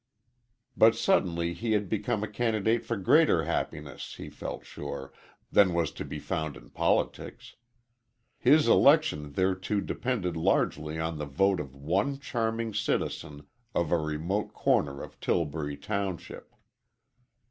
But suddenly he had become a candidate for greater happiness, he felt sure, than was to be found in politics. His election thereto depended largely on the vote of one charming citizen of a remote corner of Till bury township.